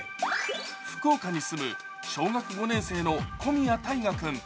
福岡に住む小学５年生の小宮大雅君。